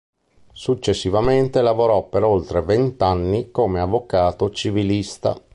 Successivamente lavorò per oltre vent'anni come avvocato civilista.